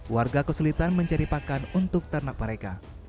warga kesulitan mencari pakan untuk ternak mereka